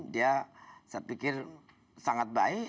dia saya pikir sangat baik